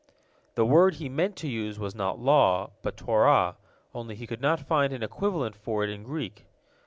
The word he meant to use was not law, but Torah, only he could not find an equivalent for it in Greek.